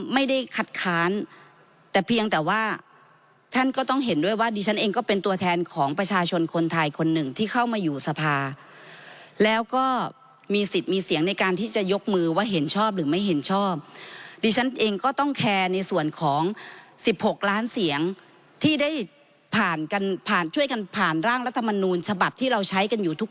ไม่ได้คัดค้านแต่เพียงแต่ว่าท่านก็ต้องเห็นด้วยว่าดิฉันเองก็เป็นตัวแทนของประชาชนคนไทยคนหนึ่งที่เข้ามาอยู่สภาแล้วก็มีสิทธิ์มีเสียงในการที่จะยกมือว่าเห็นชอบหรือไม่เห็นชอบดิฉันเองก็ต้องแคร์ในส่วนของ๑๖ล้านเสียงที่ได้ผ่านกันผ่านช่วยกันผ่านร่างรัฐมนูลฉบับที่เราใช้กันอยู่ทุก